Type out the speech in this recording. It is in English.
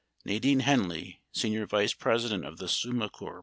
58 Nadine Henley, senior vice president of the Summa Corp.